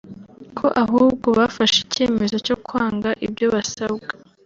ko ahubwo bafashe icyemezo cyo kwanga ibyo basabwa